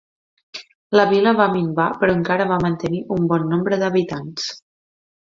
La vila va minvar però encara va mantenir un bon nombre d'habitants.